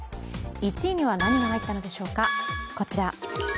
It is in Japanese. １位には何が入ったのでしょうか、こちら。